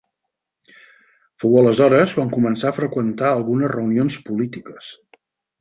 Fou aleshores quan comença a freqüentar algunes reunions polítiques.